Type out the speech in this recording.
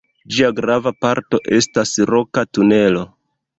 Ĝia grava parto estas Roka tunelo.